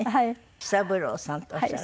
喜三郎さんとおっしゃる。